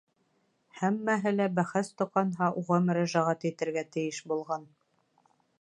Һәммәһе лә, бәхәс тоҡанһа, уға мөрәжәғәт итергә тейеш булған.